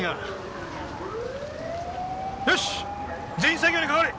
よし全員作業にかかれ！